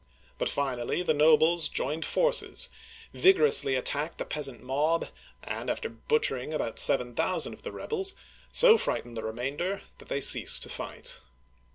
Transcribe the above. But finally the nobles joined forces, vigorously attacked the peasant mob, and after butchering about seven thousand of the rebels, so frightened the remainder that they ceased to fight.